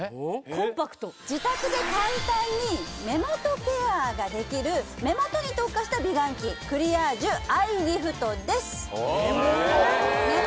コンパクト自宅で簡単に目元ケアができる目元に特化した美顔器クリアージュアイリフトです・目元？